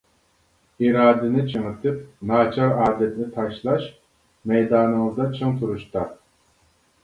ئىرادىنى چىڭىتىپ، ناچار ئادەتنى تاشلاش مەيدانىڭىزدا چىڭ تۇرۇشتا.